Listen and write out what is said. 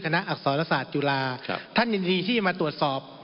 คณะอักษรศาสตร์จุฬาครับครับท่านยินดีที่มาตรวจสอบ